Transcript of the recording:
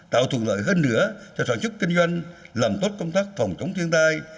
tạo thuận lợi hơn nữa cho sản xuất kinh doanh làm tốt công tác phòng chống thiên tai